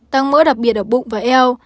tăng mỡ đặc biệt ở bụng và eo